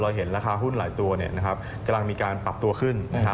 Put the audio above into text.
เห็นราคาหุ้นหลายตัวกำลังมีการปรับตัวขึ้น